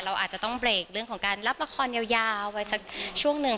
เราอาจจะต้องเบรกเรื่องของการรับละครยาวไว้สักช่วงหนึ่ง